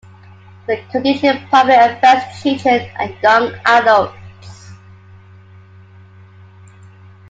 The condition primarily affects children and young adults.